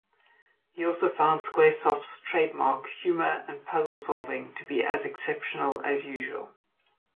He also found Squaresoft's trademark humor and puzzle-solving to be as exceptional as usual.